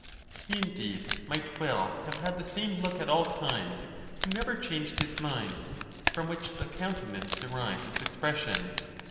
He, indeed, might well have had the same look at all times who never changed his. mind, from which the countenance derives its expres sion.